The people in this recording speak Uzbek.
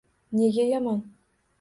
–Nega yomon?